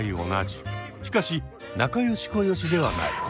しかし仲良しこよしではない。